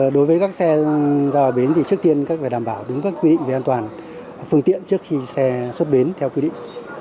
đối với các xe ra vào bến thì trước tiên các phải đảm bảo đúng các quy định về an toàn phương tiện trước khi xe xuất bến theo quy định